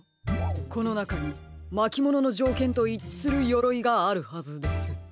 このなかにまきもののじょうけんといっちするよろいがあるはずです。